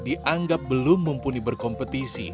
dianggap belum mumpuni berkompetisi